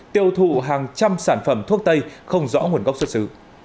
tiêu thụ hàng trăm sản phẩm thuốc tây không rõ nguồn gốc xuất xứ